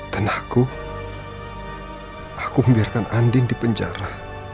dan aku aku membiarkan andin di penjara